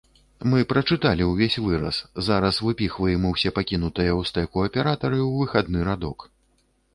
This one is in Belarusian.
Мы прачыталі ўвесь выраз, зараз выпіхваем усе пакінутыя ў стэку аператары ў выхадны радок.